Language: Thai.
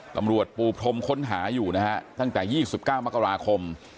ปูพรมค้นหาอยู่นะฮะตั้งแต่๒๙มกราคม